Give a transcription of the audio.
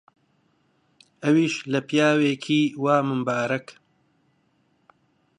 ئەویش لە پیاوێکی وا ممبارەک؟!